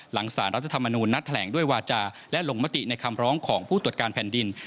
สารรัฐธรรมนูญนัดแถลงด้วยวาจาและลงมติในคำร้องของผู้ตรวจการแผ่นดิน